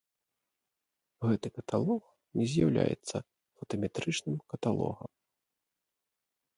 Гэты каталог не з'яўляецца фотаметрычным каталогам.